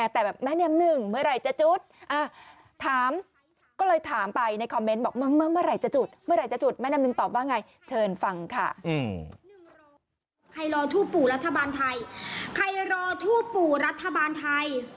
แต่แม่แนมนึงเมื่อไหร่จะจุดอ่ะถามก็เลยถามไปในคอมเม้นต์บอกเมื่อไหร่จะจุดเมื่อไหร่จะจุดแม่แนมนึงตอบว่าไงเชิญฟังค่ะ